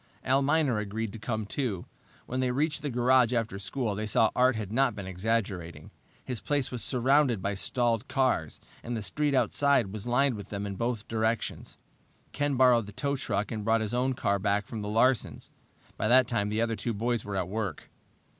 Al Miner agreed to come, too. When they reached the garage after school they saw Art had not been exaggerating. His place was surrounded by stalled cars, and the street outside was lined with them in both directions. Ken borrowed the tow truck and brought his own car back from the Larsens'. By that time the other two boys were at work.